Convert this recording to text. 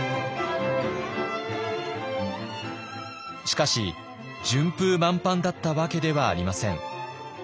しかし順風満帆だったわけではありません。